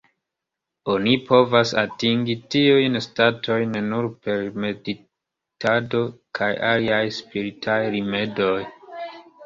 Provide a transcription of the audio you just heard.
Oni povas atingi tiujn statojn nure per meditado kaj aliaj spiritaj rimedoj.